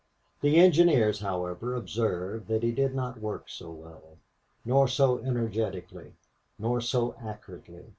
The engineers, however, observed that he did not work so well, nor so energetically, nor so accurately.